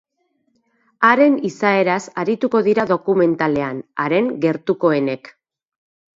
Haren izaeraz arituko dira dokumentalean, haren gertukoenek.